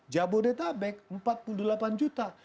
jabodetabek empat puluh delapan juta